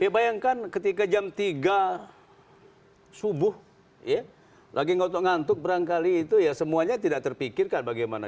ya bayangkan ketika jam tiga subuh lagi ngotok ngantuk berangkali itu ya semuanya tidak terpikirkan bagaimana